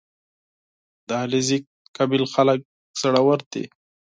• د علیزي قوم خلک زړور دي.